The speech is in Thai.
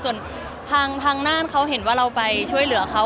ส่วนทางน่านเขาเห็นว่าเราไปช่วยเหลือเขา